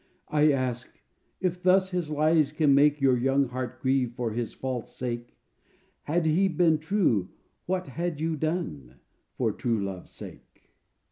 I ask: "If thus his lies can make Your young heart grieve for his false sake, Had he been true what had you done, For true love's sake?"